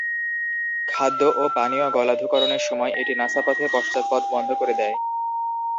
খাদ্য ও পানীয় গলাধঃকরণের সময় এটি নাসাপথের পশ্চাৎপথ বন্ধ করে দেয়।